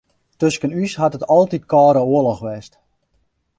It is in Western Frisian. Tusken ús hat it altyd kâlde oarloch west.